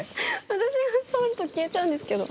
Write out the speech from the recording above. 私が触ると消えちゃうんですけど。